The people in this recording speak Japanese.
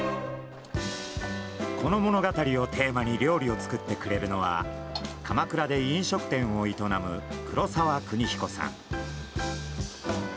この物語をテーマに料理を作ってくれるのは鎌倉で飲食店を営む黒澤邦彦さん。